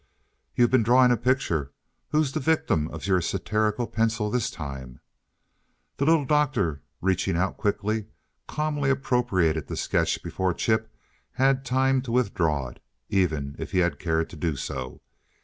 "You've been drawing a picture. Who's the victim of your satirical pencil this time?" The Little Doctor, reaching out quickly, calmly appropriated the sketch before Chip had time to withdraw it, even if he had cared to do so.